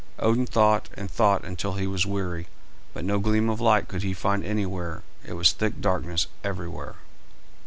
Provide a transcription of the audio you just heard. Odin thought and thought until he was weary, but no gleam of light could he find anywhere; it was thick darkness everywhere.